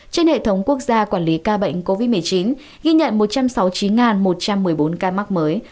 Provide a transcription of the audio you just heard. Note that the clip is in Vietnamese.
trên hệ thống quốc gia quản lý ca bệnh covid một mươi chín ghi nhận một trăm sáu mươi chín một trăm một mươi bốn ca mắc mới